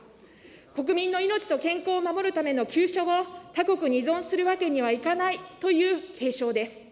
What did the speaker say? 国民の命と健康を守るための急所を他国に依存するわけにはいかないという警鐘です。